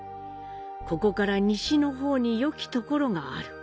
ここから西の方に良き所がある。